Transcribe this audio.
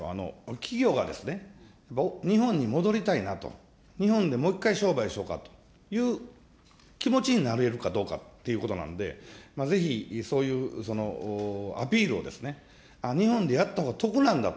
企業がですね、日本に戻りたいなと、日本でもう一回商売しようかという気持ちになれるかどうかということなんで、ぜひ、そういうそのアピールをですね、日本でやったほうが得なんだと。